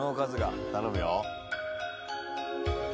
頼むよ。